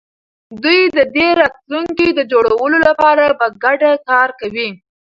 دوی د دې راتلونکي د جوړولو لپاره په ګډه کار کوي.